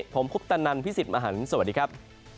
ผมคุปตะนันพี่สิทธิ์มหันฯสวัสดีครับ